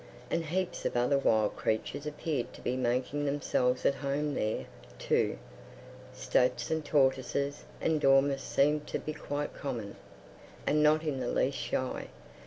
And heaps of other wild creatures appeared to be making themselves at home there, too. Stoats and tortoises and dormice seemed to be quite common, and not in the least shy.